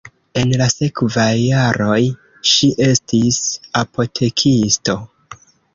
En la sekvaj jaroj ŝi estis apotekisto.